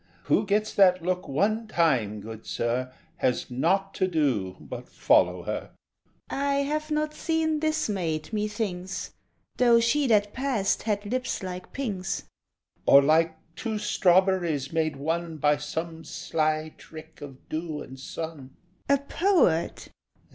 Who gets that look one time, good sir, Has naught to do but follow her. PILGRIM. I have not seen this maid, methinks, Though she that passed had lips like pinks. SHEPHERD. Or like two strawberries made one By some sly trick of dew and sun. PILGRIM. A poet!